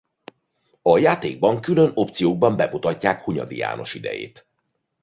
A játékban külön opciókban bemutatják Hunyadi János idejét.